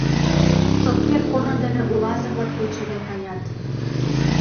Шопкер корно дене улазе-влак пече гай каят.